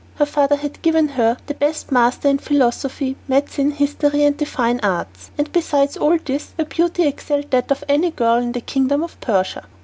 Her father had given her the best masters in philosophy, medicine, history and the fine arts, and besides all this, her beauty excelled that of any girl in the kingdom of Persia.